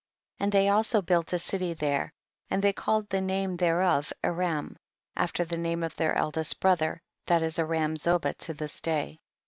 39. And they also built a city there, and they called the name thereof Aram, after the name of their eldest brother; that is Aram Zoba to this day.